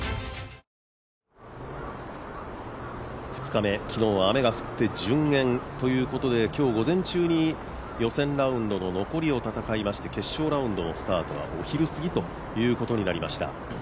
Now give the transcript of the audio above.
２日目、昨日は雨が降って順延ということで今日、午前中に予選ラウンドの残りを戦いまして決勝ラウンドのスタートはお昼過ぎということになりました。